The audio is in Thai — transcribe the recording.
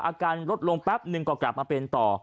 อาการลดลงแป๊บนึงก็กลับมาเป็นต่อ